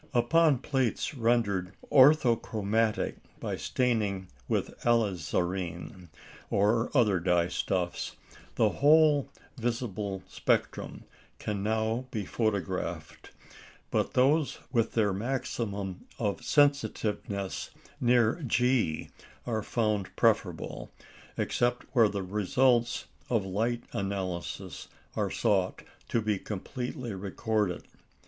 Upon plates rendered "orthochromatic" by staining with alizarine, or other dye stuffs, the whole visible spectrum can now be photographed; but those with their maximum of sensitiveness near G are found preferable, except where the results of light analysis are sought to be completely recorded.